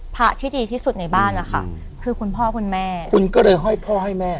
พระที่ดีที่สุดในบ้านนะคะคือคุณพ่อคุณแม่คุณก็เลยห้อยพ่อให้แม่